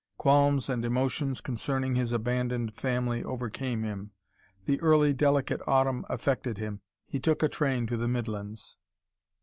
Qualms and emotions concerning his abandoned family overcame him. The early, delicate autumn affected him. He took a train to the Midlands.